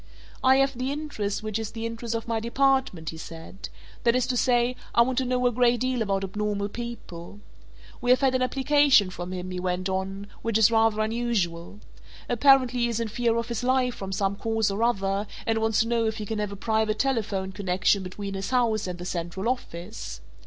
"I have the interest which is the interest of my department," he said. "That is to say I want to know a great deal about abnormal people. We have had an application from him," he went on, "which is rather unusual. Apparently he is in fear of his life from some cause or other and wants to know if he can have a private telephone connection between his house and the central office.